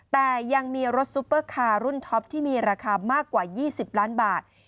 แต่ยังมีรถซุปเปอร์คาร์รุ่นท็อปที่มีราคามากกว่า๒๐ล้านบาท